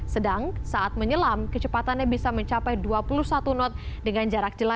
sedang saat menyelam kecepatannya bisa mencapai dua puluh satu knot dengan jarak jauh